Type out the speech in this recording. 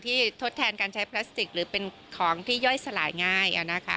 ทดแทนการใช้พลาสติกหรือเป็นของที่ย่อยสลายง่าย